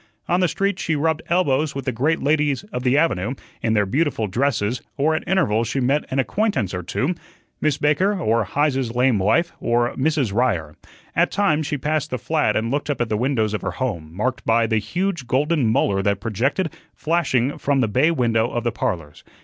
On the street she rubbed elbows with the great ladies of the avenue in their beautiful dresses, or at intervals she met an acquaintance or two Miss Baker, or Heise's lame wife, or Mrs. Ryer. At times she passed the flat and looked up at the windows of her home, marked by the huge golden molar that projected, flashing, from the bay window of the "Parlors."